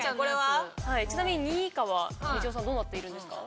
ちなみに２位以下はみちおさんどうなっているんですか？